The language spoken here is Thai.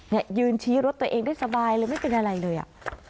เนี่ยยืนชี้รถตัวเองได้สบายเลยไม่เป็นอะไรเลยอ่ะ